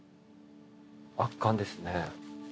圧巻ですね。